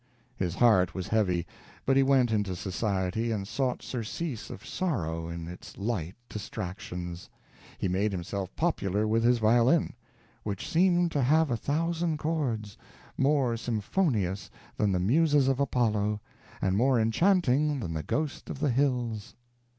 His heart was heavy, but he went into society, and sought surcease of sorrow in its light distractions. He made himself popular with his violin, "which seemed to have a thousand chords more symphonious than the Muses of Apollo, and more enchanting than the ghost of the Hills."